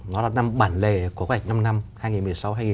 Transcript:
nó là năm bản lề của quá trình năm năm hai nghìn một mươi sáu hai nghìn hai mươi